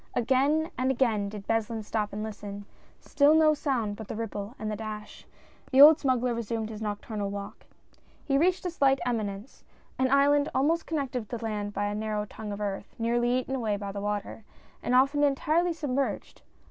Again and again did Beslin stop and listen, still no sound but the ripple and the dash. The old smuggler resumed his nocturnal walk. He reached a slight eminence, — an island almost — connected with the land by a narrow tongue of earth, nearly eaten away by the water, and often entirely sub merged.